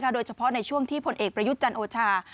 โดยเฉพาะในช่วงภนเอกปรยุทธจันต์โอชา